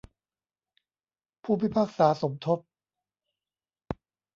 ผู้พิพากษาสมทบ